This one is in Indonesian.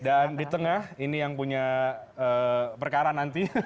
dan di tengah ini yang punya perkara nanti